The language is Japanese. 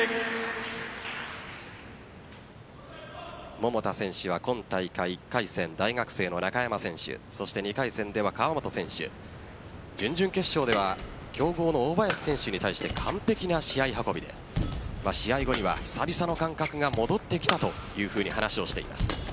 桃田選手は今大会１回戦大学生の中山選手２回戦では川本選手準々決勝では強豪の大林選手に対して完璧な試合運びで試合後には久々の感覚が戻ってきたと話をしています。